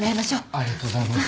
ありがとうございます。